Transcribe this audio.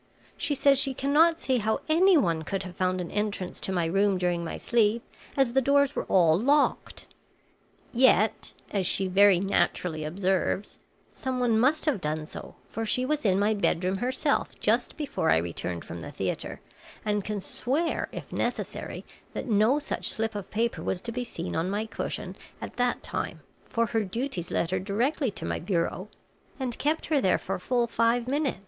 She says she cannot see how any one could have found an entrance to my room during my sleep, as the doors were all locked. Yet, as she very naturally observes, some one must have done so, for she was in my bedroom herself just before I returned from the theater, and can swear, if necessary, that no such slip of paper was to be seen on my cushion, at that time, for her duties led her directly to my bureau and kept her there for full five minutes."